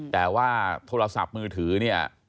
แต่ว่าโทรศัพท์มือถือเนี่ย